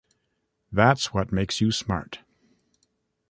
That's what makes you smart.